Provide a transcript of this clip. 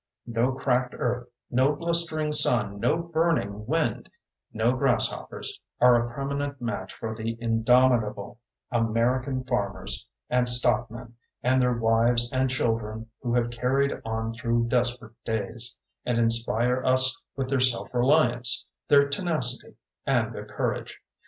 No cracked earth, no blistering sun, no burning wind, no grasshoppers, are a permanent match for the indomitable American farmers and stockmen and their wives and children who have carried on through desperate days, and inspire us with their self reliance, their tenacity and their courage.